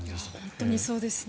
本当にそうですね。